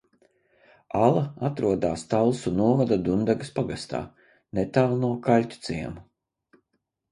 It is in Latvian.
Ala atrodas Talsu novada Dundagas pagastā, netālu no Kaļķu ciema.